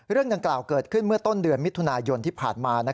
เรื่องดังกล่าวเกิดขึ้นเมื่อต้นเดือนมิถุนายนที่ผ่านมา